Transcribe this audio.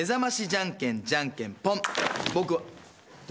じゃんけんじゃんけんぽん！